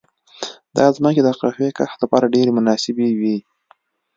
دا ځمکې د قهوې کښت لپاره ډېرې مناسبې وې.